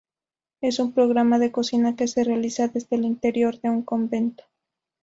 Es un programa de cocina que se realiza desde el interior de un convento.